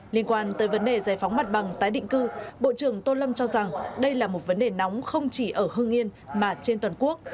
liên quan tới vấn đề giải phóng mặt bằng tái định cư bộ trưởng tô lâm cho rằng đây là một vấn đề nóng không chỉ ở hương yên mà trên toàn quốc